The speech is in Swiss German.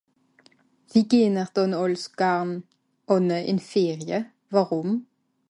wie gehn'er dànn àls garn ànne ìn Ferie wàrùm